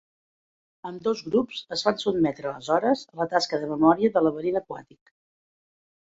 Ambdós grups es van sotmetre aleshores a la tasca de memòria del laberint aquàtic.